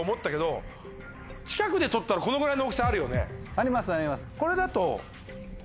ありますあります。